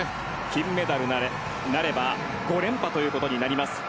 金メダルなれば５連覇ということになります。